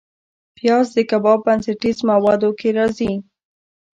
پیاز د کباب بنسټیز موادو کې راځي